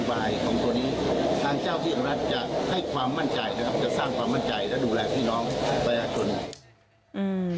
จะสร้างความมั่นใจและดูแลพี่น้องพระอาจรรย์